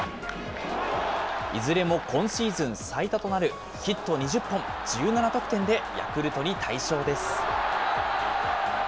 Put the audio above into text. いずれも今シーズン最多となるヒット２０本、１７得点でヤクルトに大勝です。